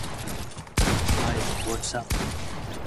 Webley is privately held and headquartered in Bannockburn, Illinois.